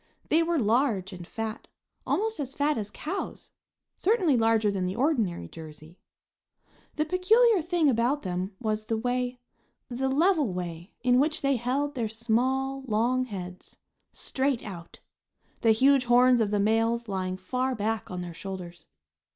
They were large and fat, almost as fat as cows; certainly larger than the ordinary Jersey. The peculiar thing about them was the way, the level way, in which they held their small, long heads straight out; the huge horns of the males lying far back on their shoulders.